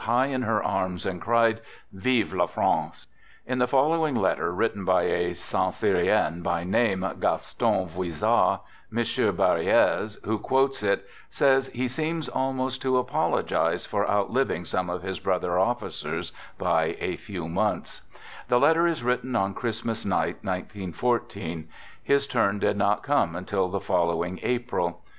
high in her arms and cried :" Vive la France ! 99 3 In the following letter written by a Saint Cyrien, by name Gaston Voizard, M. Barres, who quotes it, says he seems almost to apologize for outliving 41 Digitized by 42 "THE GOOD SOLDIER some of his brother officers by a few months. The letter is written on Christmas night, 1914. His turn did not come until the following April.